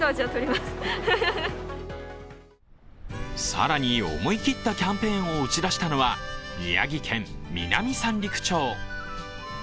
更に思い切ったキャンペーンを打ち出したのは、宮城県南三陸町。